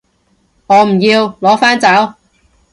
我唔要，攞返走